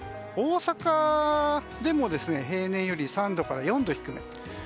大阪でも平年より３度から４度低め。